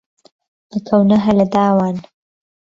ئەکەونە هەلە داوان